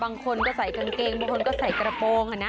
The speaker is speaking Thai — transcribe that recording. บางคนก็ใส่กางเกงบางคนก็ใส่กระโปรงอะนะ